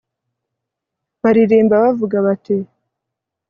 baririmba bavuga bati